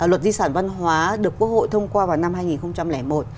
luật di sản văn hóa được quốc hội thông qua vào năm hai nghìn một